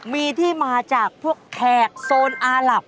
มีที่มาจากพวกแขกโซนอาหลับ